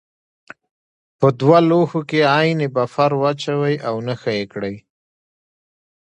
په دوه لوښو کې عین بفر واچوئ او نښه یې کړئ.